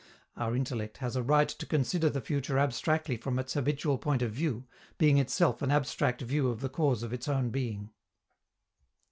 Our intellect has a right to consider the future abstractly from its habitual point of view, being itself an abstract view of the cause of its own being.